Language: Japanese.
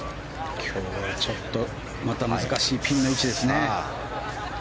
今日は、ちょっとまた難しいピンの位置ですね。